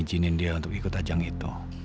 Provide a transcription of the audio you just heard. aku ingin izinin dia ikut ajang itu